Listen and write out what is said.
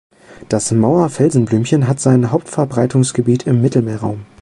Das Mauer-Felsenblümchen hat sein Hauptverbreitungsgebiet im Mittelmeerraum.